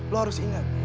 lo harus ingat